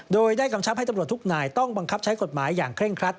โดยได้กำชับให้ตำรวจทุกนายต้องบังคับใช้กฎหมายอย่างเคร่งครัด